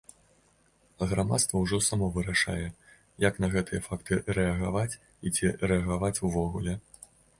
А грамадства ўжо само вырашае, як на гэтыя факты рэагаваць, і ці рэагаваць увогуле.